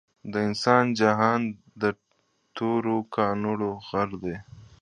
د انسان جهان د تورو کانړو غر دے